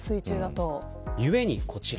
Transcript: ゆえに、こちら。